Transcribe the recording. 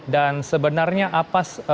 dan sebenarnya apa